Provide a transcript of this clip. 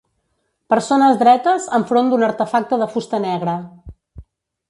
Persones dretes enfront d'un artefacte de fusta negra.